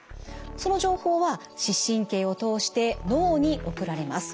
その情報は視神経を通して脳に送られます。